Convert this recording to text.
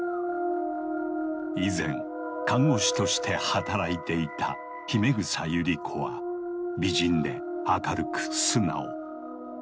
以前看護師として働いていた姫草ユリ子は美人で明るく素直。